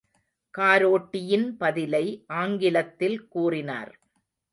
காரோட்டியின் பதிலை ஆங்கிலத்தில் கூறினார்.